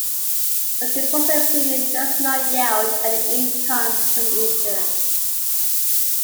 The deposit premium does not yield any income to the insured.